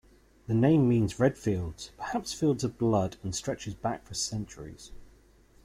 The name means red fields, perhaps fields of blood, and stretches back for centuries.